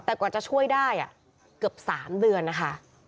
แต่กว่าจะช่วยได้เกือบ๓เดือนนะคะ